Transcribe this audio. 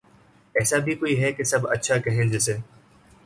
ایسا بھی کوئی ھے کہ سب اچھا کہیں جسے